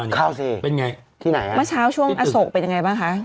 เห็นไงข้องที่ไหนไม่เจอข้างนี้มาเช้าช่วงอสกเป็นยังไงป่ะคะ